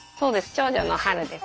長女の美です。